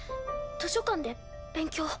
図書館で勉強。